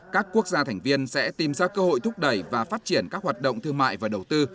các quốc gia thành viên sẽ tìm ra cơ hội thúc đẩy và phát triển các hoạt động thương mại và đầu tư